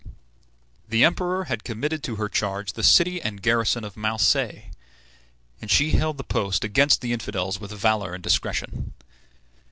The Emperor had committed to her charge the city and garrison of Marseilles, and she held the post against the infidels with valor and discretion.